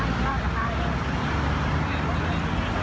แล้วก็กลับมาแล้วก็กลับมา